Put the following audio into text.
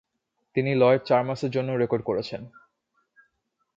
তিনি লয়েড চার্মার্সের জন্যও রেকর্ড করেছেন।